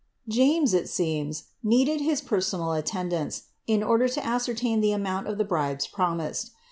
James, it seems, needed his personal attendance, in order to ascertain the amount of the bribes promised.